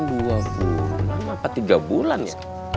dua bulan apa tiga bulan